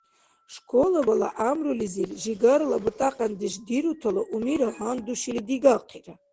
Школабала гӀямрулизир жигарла бутӀакьяндеш дирутала умира гьандушили дигахъира.